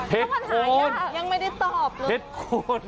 เห็ดโค้นยังไม่ได้ตอบเลย